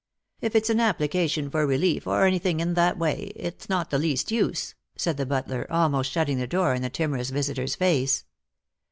" If it's an application for relief, or anything in that way, it's not the least use," said the butler, almost shutting the door in the timorous visitor's face.